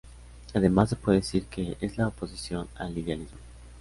Además, se puede decir que es la oposición al idealismo.